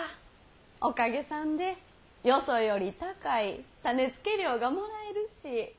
おかげさんでよそより高い種付け料がもらえるし。